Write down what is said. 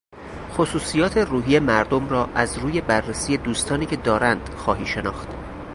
خصوصیات روحی مردم را از روی بررسی دوستانی که دارند خواهی شناخت.